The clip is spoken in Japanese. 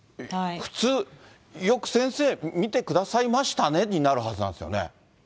普通、よく先生、診てくださいましたねになるはずなんですね。